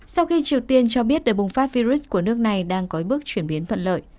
sau khi triều tiên cho biết đợt bùng phát virus của nước này đang có bước chuyển biến thuận lợi